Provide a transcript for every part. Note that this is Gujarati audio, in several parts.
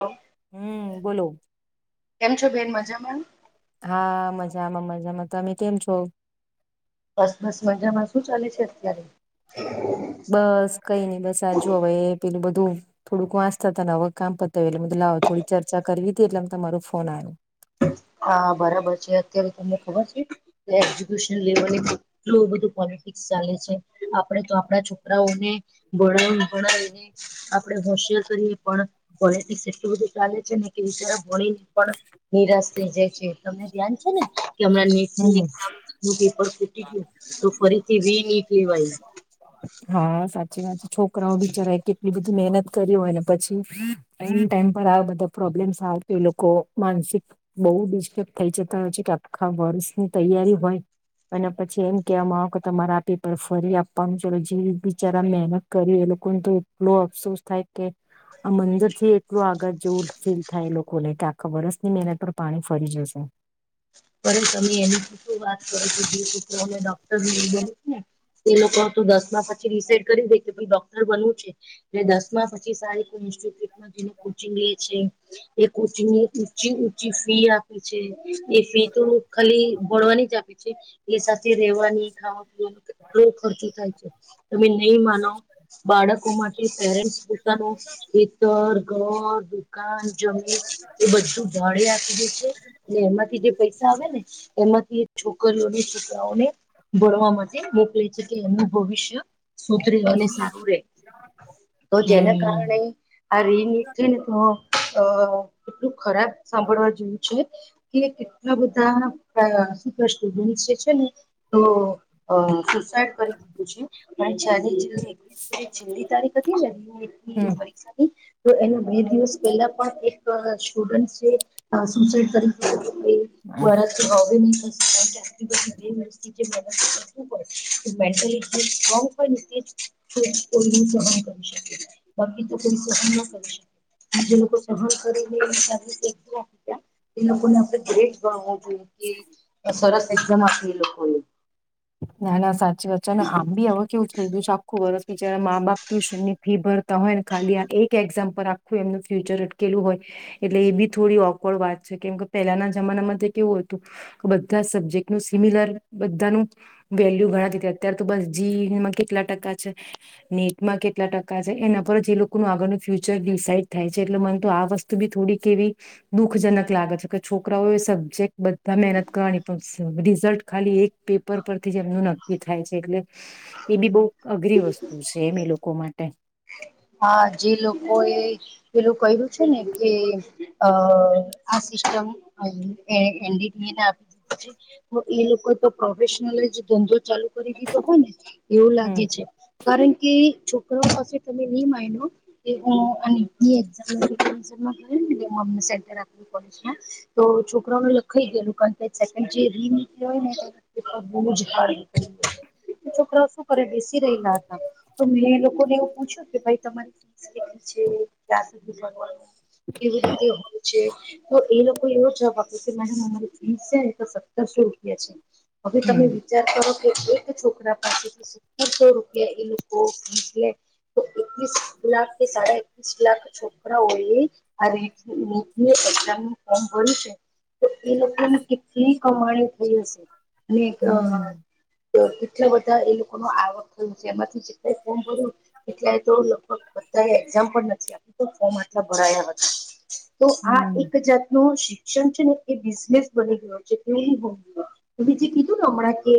હ. હમ્મ બોલો કેમ છો બેન મજામાં? હા મજામાં મજામાં. તમે કેમ છો? બસ બસ મજામાં. શું ચાલે છે અત્યારે? બસ કંઈ નહીં. બસ આ જોવે પેલું બધું થોડુંક વાંચતા હતા ને. હવે કામ પતાય એટલે થોડી ચર્ચા કરવી હતી, એટલે તમારો ફોન આયો. [inaudible] હા બરાબર છે. અત્યારે તમને ખબર છે કે એજ્યુકેશન લેવલ એ કેટલુ બધું પો ફીસ ચાલે છે. આપડે તો આપણા છોકરાઓને ભણવા ભણાવીને આપડે હોશિયાર કરીયે પણ પોલિટિક્સ એટલું બધું ચાલે છે ને કે એ બચારા ભણીન પણ નિરાશ થઈ જાય છે. તમને ધ્યાન છે ને કે હમણાં નીટની હમ એક્ઝામનું પેપર ફૂ ફૂટી ગયું તો ફરીથી રી નીટ લેવાઈ. હા સાચી વાત છે છોકરાઓ બિચારાઓએ કેટલી બધી મહેનત કરી હોય, અને પછી એન્ડ ટાઈમ પર આ બધા પ્રોબ્લેમસ આવી જાય. એ લોકો માનસિક બહુ ડિસ્ટર્બ થઈ જતા હોય છે, કે આખા વર્ષની તૈયારી હોય. અને પછી એમ કેવા મા આવે, તમારે આપી પણ ફરી આપવાનું, ચાલો, જે બિચારા મહેનત કરી ને લોકોને તો એટલો અફસોસ થાય કે આ મંદિર થી એટલું આગા જેવું ફીલ થાય લોકોને કે આખા વર્ષની મહેનત પર પાણી ફરી જશે ફરે તમે એની પૂત્રો વાત કરો છો, જે પુત્રોને મોટો ડો [unintelligible] એ લોકો હતું દસમા માં થી પછી ડીસાઈડ કરી દે ભઈ ડોક્ટર બનવું છે, ને દસમા પછી સારી કોઈ ઇન્સ્ટિટયૂટ માં ટીચિંગમાં કોચિંગ કરે છે, એ કોચિંગ નું ઊંચી ઊંચી ફી આપે છે, એ ફી તો ખાલી ભળવાની જ આપે છે એ સાથે રહેવાની ખાવા-પીવા કેટલો ખર્ચો થાય છે, તમે નહીં માનો. બાળકો માટે પેરેન્ટસ પોતાનો એ તો ઘર, દુકાન, જમીન-એ બધું ભાડે આપી દે છે, અને એમાંથી જે પૈસા આવે ને, એમાંથી છોકરીઓને, છોકરાઓને ભણવા માટે મોકલે છે, કે એમનું ભવિષ્ય સુધરી અને સારું રે. તો જેના હમ કારણે આ રીલ નીકળી ને તો તો કેટલું ખરાબ સાંભળવા જેવું છે કે આ બધા સુપર સ્ટુડન્ટ જે છે ને, તો સ્ટુડન્ટ કરી. એક છેલ્લી તારીખ હતી ને, હમ પરીક્ષાની. તો એના બે દિવસ પહેલા પણ એક સ્ટુડન્ટ છે. [unintelligible] વર્ષ હવે ને. ું પ [unintelligible] સ પણ સહન કરી શકે બાકી [unintelligible] કરે છે. જે લોકો સહન કરે, એ લોકોને આપણે ઘરે સરસ, એકદમ આપને લોકો લોકોને. ના, ના, સાચી વાત છે ને. આમ બી હવે કેવું લઈ ગયુ છે આખું વરસ! જ્યારે મા-બાપ ટ્યુશન ની ફી ભરતા હોય ને, ખાલી આ એક એક્ઝામ પર આખું એમનું ફ્યુચર અટકેલું હોય. એટલે એ બી થોડી ઓકવર્ડ વાત છે, કેમ કે પહેલાના જમાનામાં કેવું હતું? બધા સબ્જેક્ટ નું સિમિલર બધાનું વેલ્યુ ગણાતી અત્યાર તો બસ જીમાં કેટલા ટકા છે નેટમાં કેટલા ટકા છે એના પર જ એ લોકોનું આગળનું ફ્યુચર ડિસાઈડ થાય છે એટલે મને તો આ વસ્તુ બી થોડીક એવી દુઃખજનક લાગે છે કે છોકરાઓ એ સબ્જેક્ટ બધા મહેનત કરવાની પણ રિઝલ્ટ ખાલી એક પે ઉપર પરથી જે એમનું નક્કી થાય છે એટલે એ બી બહ અઘરી વસ્તુ છે એમ એ લોકો માટે હા જે લોકો એ પેલું કહ્યું છે ને કે અ આ સિસ્ટમ આપ પછી તો એ લોકો તો પ્રોફેશનલ જ ધંધો ચાલુ કરી દીધો હોય ને એવું હમ લાગે છે કારણ કે છોકરોઓ પાજેટીવ [unintelligible] [inaudible] તો છોકરાઓને લખાઈ ગયેલું કારણ કેે છોકરા શું કરે બેસી રલા હતા તો મેં એ લોકોને એવું પૂછ્યું કે ભાઈ તમારી ફી કેટલી છે ક્યાં સુધી ભણવાનું કેવી રીતે હોય છે તો એ લોકો એવો જવાબ આપે કે મેડમ અમા ઈ તો સત્તર હવે તમે હમ વિચાર કરો એક છોકરા પાસેથી સત્તરસો રૂપિયા એ લોકો લે તો વીસ લાખ કે સાડા એકવીસ લાખ છોકરાઓએ હમ હમ બોલું છે તો એ લોકોને કેટલી કમાણી થઈ હશે અને હમ એટલા બધા એ લોકો ન આવક થયયો છે એમાંથી જે ક ફોર્મ ભર્યું એટલાય તો લગભગ બધાએ એક્ઝામ પણ નથી આપી તો ફોર્મ આટલા ભરાયા હતા તો આ હમ એક જાત નો શિક્ષણ છે ને એ બિઝનેસ બની ગયો છે એ હોની ગયો જે કીધું ને હમણાં કે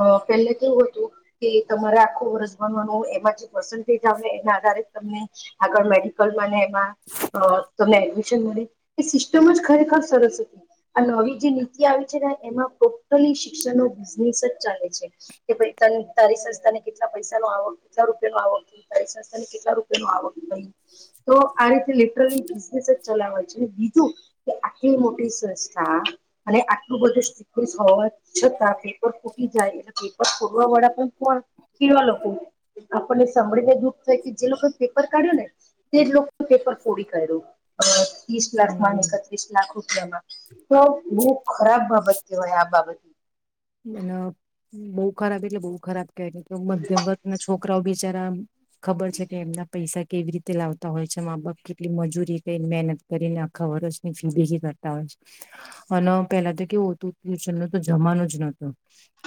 અ પેલે કેવું હતું કે તમારે આખું વર્ષ ભણવાનું એમાં પસ્તટેજ આવે એના આધારે તમને આગળ મેડિકલ એમાં અ તમને એડમિશન મળે એ સિસ્ટમ જ ખરેખર સરસ હતી આ નવી જે નીતિ આવી છે એમાં ટોટલી શિક્ષણ નો બિઝનેસ ચાલે છે કે તને તારી સંસ્થા ને કેટલા પૈસા ન આવો કેટલા રૂપિયા ન આવો તારી સસ્તા ને કેટલા રૂપિયાો આવક ભ તો આ રીતે લિટરલી બિઝનેસ જ ચલાવે છે આટલી મોટી સંસ્થા અને આટલું બધું સ હોવા છતાં પેપર ફૂટી જાય એટલે પેપર ફોડવા વાળા પણ ખીવા લોકો આપણને સાંભળીને દુઃખ થાય કે જે લોકોએ પેપર કાઢ્યો ને તેજ લોકો પેપર ફોડી કાઢ્યું. ત્રીસ લાખ હમ માણસે ત્રીસ લાખ રૂ તો બઉ ખરાબ બાબત કેવાય આ બાબતને. એ બહુ ખરાબ એટલે બહુ ખરાબ કેવાય ને કે મધ્યમ વર્ગ ના છોકરાઓ બિચારા ખબર છે કે એમના પૈસા કેવી રીતે લાવતા હોય છે મા બાપ કેટલી મજૂરી કરીને મહેનત કરીને આખા વર્ષની ફી ભેગી કરતા હોય. અને પેલા તો કેવું હતું નીચે તો જમાનું જ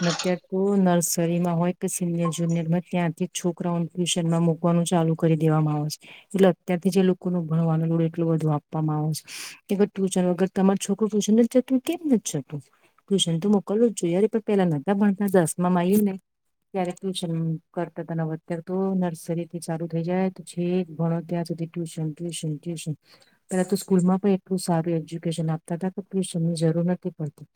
ન અત્યારે તો નર્સરીમાં હોય કે સિનિયર જુનિયર માં ત્યાંથી છોકરાઓને ટ્યુશનમાં મુકવાનું ચાલુ કરી દેવામાં આવે છે એટલે અત્યારથી જે એ લોકો ન ભણવાનું એટલું બધું આપવામાં આવે છે કે ટ્યૂશન વગર તમાર છોકરું ટ્યૂશન નથી જતું કેમ નથી જતું. ટ્યુશન તો મોકલવું જ જોય યાર પણ પહેલા નતા ભણતા દસ માં એને ત્યારે ટ્યુશન કરતા ત અત્યારે તો નર્સરીથી ચાલુ થઈ જાય પછી તો ભણો ત્યાં આજે ટયુશન ટ્યુશન ટ્યુશન પેલા તો સ્કૂલ માં પણ એટલું સારું એજ્યુકેશન આપતા હતા ટ્યુશન જરૂર નથી પડતી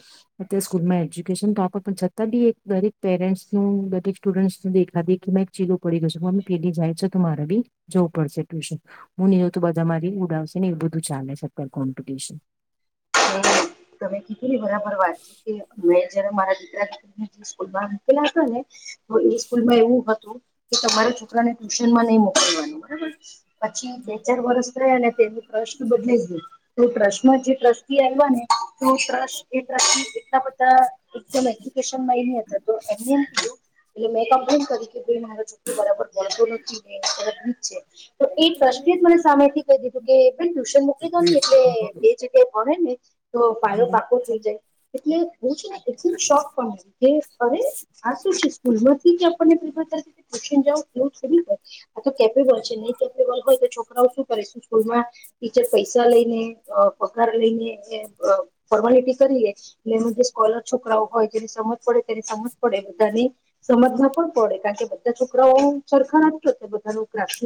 અત્યાર સ્કૂલમા એજયુ ટેસન કાપ છતાં બી એક દરેક પેરેન્ટસ નું દરેક સ્ટુડન્ટસ દેખા દેખી મા એક છેલો પડી જશે. હમ પેઢી જાય છે તો મારે બી જવું પડશે ટ્યૂશન હું ની હોય તો બધા મારી ઉડાવશે ને એ બધું ચાલ કોમ્પિટીશન તમે કીધું ને બરાબર વાત છે કે જ્યારે મારા દીકરા દીકરી સ્કૂલમાં મુકેલા હતા ને તો એ સ્કૂલમાં એવું હતું કે તમારે છોકરાને ટ્યુશનમાં ન મોકવા. પછી બે ચાર વર્ષ થયાં ને તેનું ટ્રસ્ટ બદલાઈ ગયું તો ટ્રસ્ટમાં જે ટ્રસ ને સરસ એટલા બધા એકદમ એજુકેશન મળીને તો એમને. એટલે મેં કમ્પ્લેન કરી કે ભઈ મારો છોકરો બરાબર ભણતો નથી છે. તો એ ટ્રસ્ટે જ મને સામે થી કહી દીધું કે બેન ટ્યુશન મોકલી દો ને એટલે બે જગ્યાએ. ને તો પાયો પાકો થઈ જાય એટલે હું છે ને એ ખબ શોખ પણ કે હવે આ છે સ્કૂલમાં આપણને પ્રેફરન એવું થ હોયથ કેપેબલ છે નહી કેપેબલ હોય તો છોકરાઓ કરું સ્કૂલમાં ટીચર પૈસા લઈને અ પ લઈને ફોર્માલિટી કરીએ એટલે એ જે સ્કોલર છોકરાઓ હોય જેની સમજ પડે કે સમજ પડે બધાને સમજ ના પણ પડે કારણ કે બધા છોકરાઓ સરખા હોતા બધા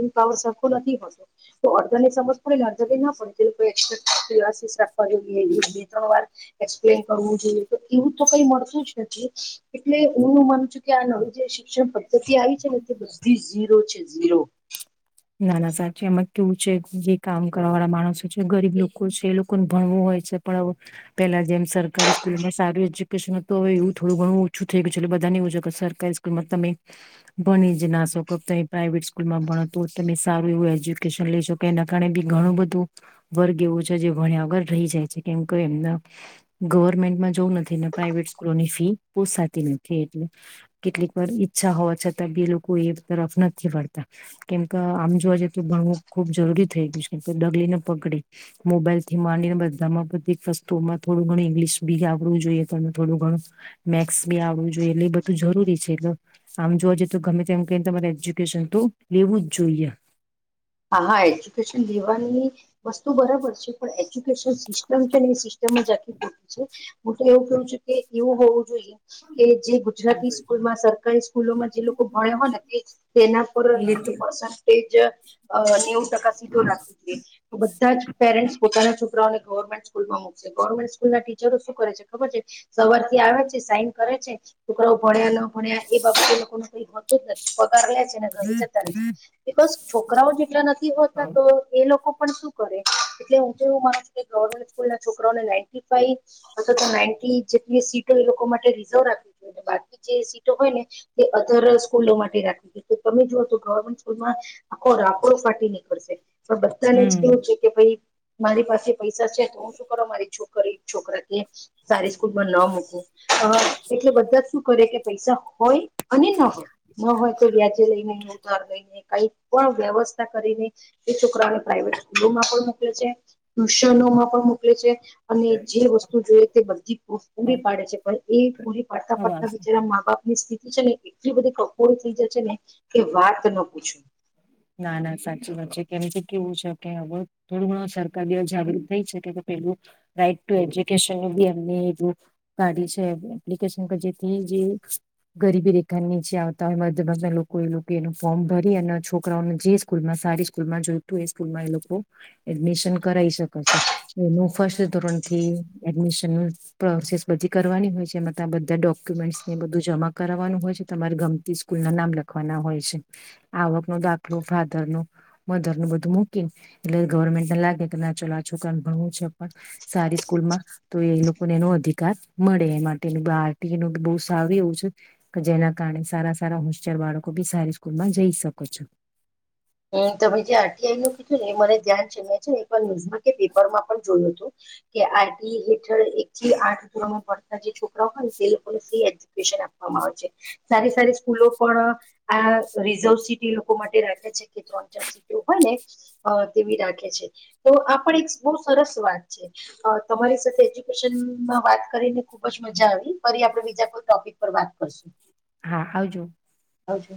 ને પાવર સરખો નથી હોતો તો અર્ધન એ સમજ પડેને અર્ધ ના [unintelligible] બે ત્રણ વાર એક્સપ્લેન કરવું જોઈએ તો એવું તો કઈ મળતું જ નથી. એટલે હું માનું છું કે આ નવી જે શિક્ષણ પ દતી આવી છે ને તે બધી ઝીરો છે ઝીરો. નાના સાચી એમાં કેવું છે જે કામ કરવા વાળા માણસો છે ગરીબ લોકો છે એ લોકોને ભણવું હોય. પણ પેલા જેમ સરકારી સ્કૂલમાં સારું એજ્યુકેશન હતું હવે એવું થોડું ઘણું ઓછું થય ગયુ છે બધા. ની એવુ સરકારી સ્કૂલમાં તમે ભણી જ ના શકો તમે પ્રાઈવેટ સ્કૂલમાં ભણો. તો તમે સારું એવું એજ્યુકેશન લઇ શકો કે એના કારણે બી ઘણું બધું વર્ગ એવું છે જે ભણ્યા વગર. રહી જાય છે કેમ કે એમના ગવર્મેન્ટમાં જોવું નથી પ્રાાઈવેટ સ્કૂલોની ફી પોસાતી ન થી એટલે કેટલીક વાર ઈચ્છા હોવા છતાં બે લોકો એ તરફ નથી વળતા. કેમ કે આમ જોવા જઈ તો ભણવું ખુબ જરૂરી થઈ ગયું છે કેમ ડગલીને પકડી મોબાઈલ થી માની બધામાં બધી વસ્તુમાં થોડું ઇંગ્લિશ બી આવડવું જોઈએ તો થોડું ઘણું મેથસ બી આ આવુ જોઈએ એટલે એ બધું જરૂરી છે એટલે આમ જોવા જઈ તો ગમે તેમમ કને તમારે એજ્યુકેશન તો લેવું જ જોઈએ. હા હા એજ્યુકેશન લેવાની વસ્તુ બરાબર છે પણ એજ્યુકેશન સિસ્ટમ છે ને એ સિસ્ટ ટમ જ આખું ખોટું છે હું તો એમ કહું છું કે એવું હોવું જોઈએ. કે જે ગુજરાતી સ્કૂલમાં સરકારી સ્કૂલોમાં જે લોકો ભણે હોય ને તે તેના પર. લેતી [unintelligible] અ નેવું ટકા સુધી રાખવું જોઈએ. ધા જ પેરેન્ટ્સ પોતાના છોકરાઓને ગવર્મેન્ટ સ્કૂલમાં મુકશે ગવર્મેન્ટ સ્કૂલ ના ટીચરો શું કરે છે ખબર છે. સવાર થી આવે છે, સાઈન કરે છે, છોકરા ભણ્યા ન ભણ્યા, એ બાબતે લોકોન કઈ હોતું, જ નથી. લે છે ઘ જતા, બેકાઉસે છોકરા જેટલા નથી, હોતા, તો એ લો. કો પણ શુ કરે, એટલે હું તો એવું માને છું, કે ગવમેન્ટ સ્કૂલના છોકરાઓને, ના ફ. અથ, તો નાઇન્ટી જેટલી સીટો એ લોકો, માટે રિઝર્વ આપી જોઈ. બાકી જે સીટો હોય, ને તે અધર સ્કૂલો માટે રાખવી જોઈ, તમે જુઓ તો ગવર્મેન્ટ સ્કૂલમાં. આખો રાખડ ફાટી નીકળશે પણ બધાને જ હમ કેવું છે, કે ભાઈ મારી પાસે. પૈસા છે, તો હું, શું કરો મારી છોકરી. છોકરા સારી સ્કૂલમા ન મૂકવું, એટલે બધા જ શું કરે કે. પૈસા હોય, અને ન હોય, ન હોય તો વ્યાજે લઈને ઉધાર લઈને કઈ. પણ વ્યવસ્થા કરીને એ છોકરાને પ્રાાઈવેટ સ્કૂલોમાં પણ મોકલે છે, ટ્યુશનોમાં પણ. મોકલે છે. અને જે વસ્તુ જોઈએ, તે બધી પૂરી પાડે છે, પણ એ પૂરી પાડતા પડતા અવાજ બિચારા મા બાપ. સ્થિતિ છેને એટલી બધી કફોળ થઈ, જશે ને કે વાત ન પૂછું. ના ના સાચી વાત છે, કેમથી કેવું છે, કે હવે થોડું ઘણું સરકારી જાગૃત થઈ શકે. એવું લાઇક એજ્યુકેશન, [unintelligible] કદી છે એજ્યુકેશનની ફી. ગરીબી રેખા નીચે આવતા હોય, મધભાગના લોકો એ, લોકો એનું ફોર્મ ભરી, અને છોકરી. જે સ્કૂલમાં સારી સ્કૂલમાં જોયતું, એ સ્કૂલમા એ લોકો એડમિશન કરાવ, શકે છે. ફર્સ્ટ ધોરણ થી, એડમિશન પ્રોસેસ બધી કરવાની હોય છે, એમાં બધા ડોક્યુમેન્ટ. જનું હોય, તમા ગમતી સ્કૂલ ના નામ લખવાના હોય છે, આવક ન. ફાધરનુ મધરનુ બધું મૂકીને એટલે ગવર્મેન્ટને લાગે, કે ના ચલ આ છોકરાને ભણવું છે સારી સ્કૂલમા, તો એ લોકોને એનો અધિકાર મળે એ માટે બહુ આવી એવું છે, કે જેના કારણે સારા સારા હોસિયાર બાળકો, બી સારી સ્કૂલમા જઈ શકો છો. હમ, તમે જે આરટીઆઈ નું કીધું ને એ મને ધ્યાન છેમ છે, ને એકર ન્યુઝમાં કે પેપરમા પણ જોયયો, હતું. કે આરબી હેઠળ, એક થી આઠ ધોરમાં ભડતા જે છોકરા હોય, ને તે લોકોને ફ્રી એજ્યુકેશન આપવા આવે સારી, સારી સ્કૂલો, પણ આ રિઝર્વ સીટો લોકો માટે રાખે છે. કે ત્રણ ચાર સીટો હોય, ને તેવી રાખે છે, તો આપડ એક બહુ સરસ વાત છે તમારી સાથે એજ્યુકેશનમા વાત કરીને ખુબજ મજા આવી, ફરી આપડે બીજા કોઈ ટોપિક પર વાત કરશું. હા, આવજો. આવજો.